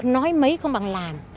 nói mấy không bằng làm